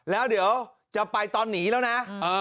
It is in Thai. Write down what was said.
แล้วเดี๋ยวจะไปตอนหนีแล้วนะ